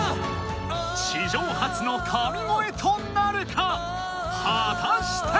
史上初の神声となるか⁉果たして？